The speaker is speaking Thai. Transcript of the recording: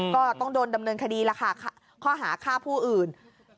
ก็ต้องโดนดำเนินคดีล่ะค่ะข้อหาฆ่าผู้อื่น